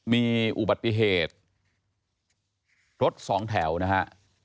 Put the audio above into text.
มีอุบัติเหตุรถสองแถวนะฮะ